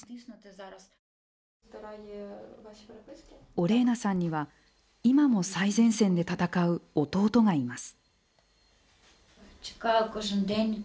オレーナさんには今も最前線で戦う弟がいます。